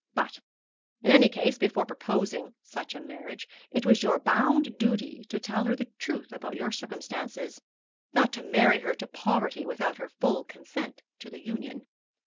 But in any case, before proposing such a marriage, it was your bounden duty to tell her the truth about your circumstances, not to marry her to poverty without her full consent to the union.'